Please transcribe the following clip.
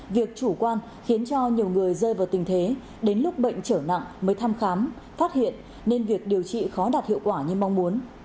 việc chủ quan khiến cho nhiều người rơi vào tình thế đến lúc bệnh trở nặng mới thăm khám phát hiện nên việc điều trị khó đạt hiệu quả như mong muốn